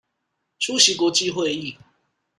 出席國際會議